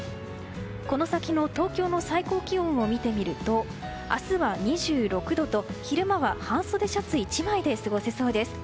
この先の東京の最高気温を見てみると明日は、２６度と昼間は半袖シャツ１枚で過ごせそうです。